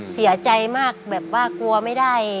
เสียใจมากแบบว่ากลัวไม่ได้